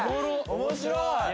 面白い！